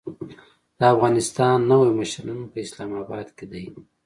د افغانستان نوی مشر نن په اسلام اباد کې دی.